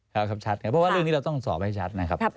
ครับชัดครับเพราะว่าเรื่องนี้เราต้องสอบให้ชัดนะครับ